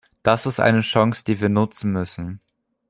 Das ist eine Chance, die wir nutzen müssen!